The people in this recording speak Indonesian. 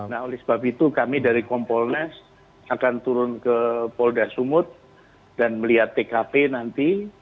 nah oleh sebab itu kami dari kompolnas akan turun ke polda sumut dan melihat tkp nanti